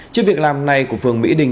trước việc làm này của phường mỹ đình